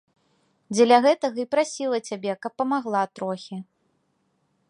Дзеля гэтага і прасіла цябе, каб памагла трохі.